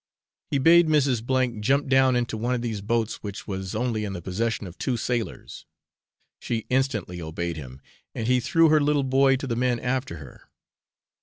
He bade Mrs. F jump down into one of these boats which was only in the possession of two sailors; she instantly obeyed him, and he threw her little boy to the men after her.